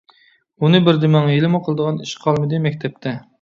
ئۇنى بىر دېمەڭ، ھېلىمۇ قىلىدىغان ئىش قالمىدى مەكتەپتە.